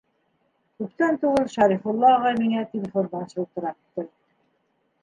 Күптән түгел Шәрифулла ағай миңә телефондан шылтыратты.